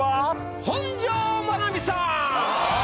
本上まなみさん！